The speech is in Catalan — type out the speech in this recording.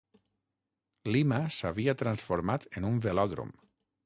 Lima s'havia transformat en un velòdrom.